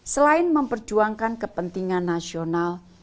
selain memperjuangkan kepentingan nasional